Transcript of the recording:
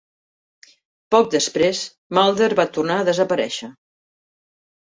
Poc després, Mulder va tornar a desaparèixer.